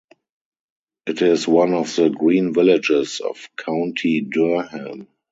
It is one of the "green villages" of County Durham.